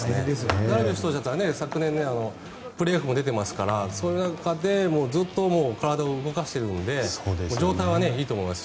ダルビッシュ投手だったら昨年、プレーオフも出てますからその中でずっと体を動かしているので状態はいいと思いますし。